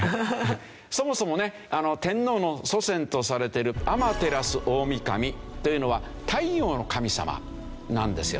そもそもね天皇の祖先とされてる天照大御神というのは太陽の神様なんですよね。